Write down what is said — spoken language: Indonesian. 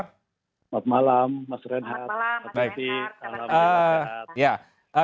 selamat malam mas renhar mbak titi selamat malam